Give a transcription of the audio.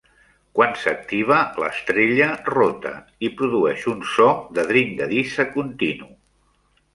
Quan s'activa, l'estrella rota i produeix un so de dringadissa continu.